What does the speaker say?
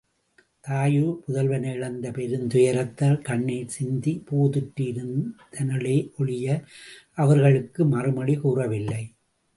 தாயோ புதல்வனை இழந்த பெருந்துயரத்தால், கண்ணிர் சிந்திப் பேதுற்று இருந்தனளே ஒழிய, அவர்களுக்கு மறுமொழி கூறவில்லை.